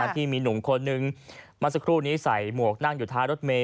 ที่มีหนุ่มคนนึงเมื่อสักครู่นี้ใส่หมวกนั่งอยู่ท้ายรถเมย